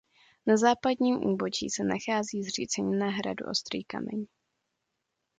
Na západním úbočí se nachází zřícenina hradu Ostrý Kameň.